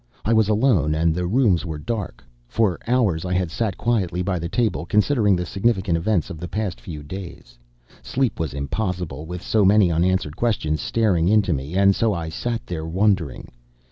I was alone, and the rooms were dark. For hours I had sat quietly by the table, considering the significant events of the past few days. Sleep was impossible with so many unanswered questions staring into me, and so I sat there wondering.